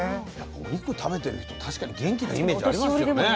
お肉食べてる人確かに元気なイメージありますよね。